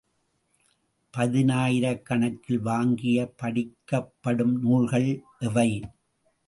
பதினாயிரக்கணக்கில் வாங்கிப் படிக்கப்படும் நூல்கள் எவை?